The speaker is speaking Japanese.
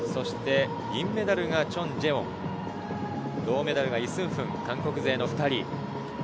銀メダルがチョン・ジェウォン、銅メダルがイ・スンフン、韓国勢の２人。